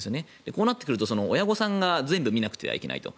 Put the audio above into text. こうなってくると親御さんが全部見なくてはいけないと。